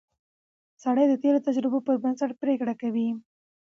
سړی د تېرو تجربو پر بنسټ پریکړه کوي